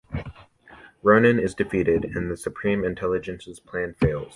Ronan is defeated, and the Supreme Intelligence's plan fails.